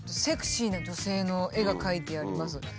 セクシーな女性の絵が描いてあります。